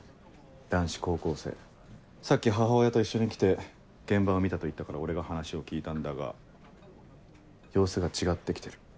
男子高校生さっき母親と一緒に来て現場を見たと言ったから俺が話を聞いたんだが様子が違って来てる。